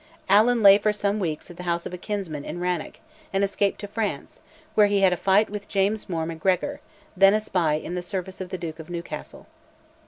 Allan lay for some weeks at the house of a kinsman in Rannoch, and escaped to France, where he had a fight with James Mor Macgregor, then a spy in the service of the Duke of Newcastle.